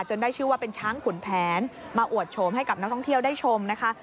ได้ชื่อว่าเป็นช้างขุนแผนมาอวดโฉมให้กับนักท่องเที่ยวได้ชมนะคะ